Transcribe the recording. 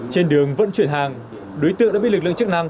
trên đường vận chuyển hàng đối tượng đã bị lực lượng chức năng